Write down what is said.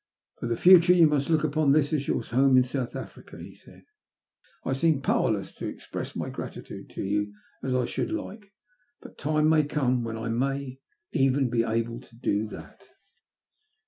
" For the future you must look upon this as your home in South Africa/' he said. *' I seem powerless to express my gratitude to you as I should like. But a time may come when I may even be able to do that."